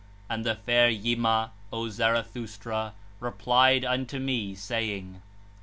And the fair Yima, O Zarathustra, replied unto me, saying: p.